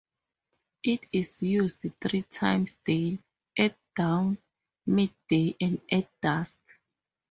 It is used three times daily: at dawn, mid-day and at dusk.